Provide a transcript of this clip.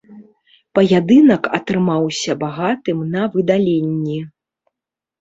Паядынак атрымаўся багатым на выдаленні.